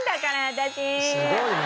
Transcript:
すごいね。